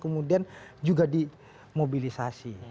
kemudian juga dimobilisasi